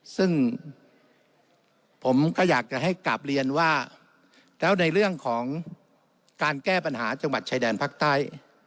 ซึ่งผมก็อยากจะให้กลับเรียนว่าแล้วในเรื่องของการแก้ปัญหาจังหวัดชายแดนภาคใต้